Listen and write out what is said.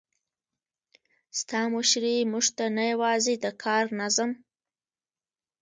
ستا مشري موږ ته نه یوازې د کار نظم،